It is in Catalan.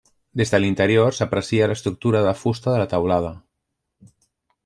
Des de l'interior s'aprecia l'estructura de fusta de la teulada.